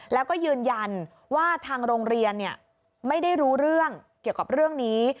แล้วก็ยืนยันว่าทางโรงเรียนไม่ได้รู้เรื่องเกี่ยวกับเรื่องนี้